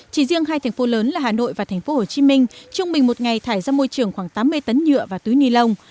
chỉ riêng hai thành phố lớn là hà nội và tp hcm trung bình một ngày thải ra môi trường khoảng tám mươi tấn nhựa và túi ni lông